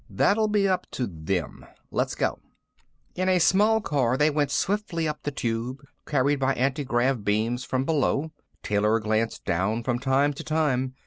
"That'll be up to them. Let's go." In a small car, they went swiftly up the Tube, carried by anti grav beams from below. Taylor glanced down from time to time.